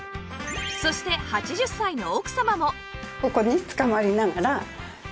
そして８０歳の奥様も